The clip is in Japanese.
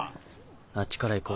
あっちから行こう。